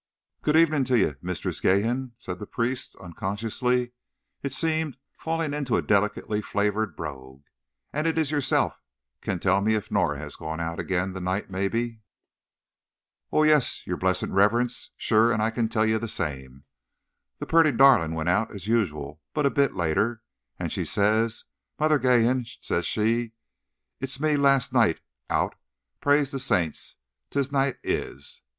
"Good evening to ye, Mistress Geehan," said the priest, unconsciously, it seemed, falling into a delicately flavoured brogue. "And is it yourself can tell me if Norah has gone out again, the night, maybe?" "Oh, it's yer blissid riverence! Sure and I can tell ye the same. The purty darlin' wint out, as usual, but a bit later. And she says: 'Mother Geehan,' says she, 'it's me last noight out, praise the saints, this noight is!